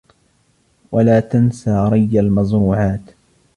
و لا تنسى ريّ المزروعات.